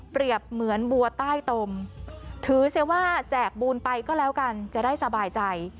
เหมือนบัวใต้ตมถือเสียว่าแจกบูลไปก็แล้วกันจะได้สบายใจ